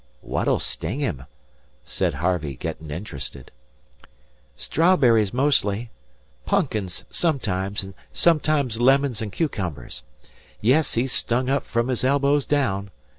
"What'll sting him?" said Harvey, getting interested. "Strawberries, mostly. Pumpkins, sometimes, an' sometimes lemons an' cucumbers. Yes, he's stung up from his elbows down.